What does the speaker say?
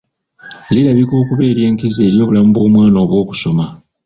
Lirabika okuba ery’enkizo eri obulamu bw’omwana obw’okusoma.